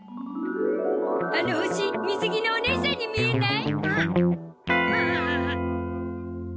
あの星水着のおねいさんに見えない？